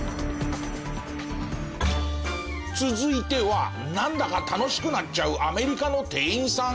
続いてはなんだか楽しくなっちゃうアメリカの店員さん。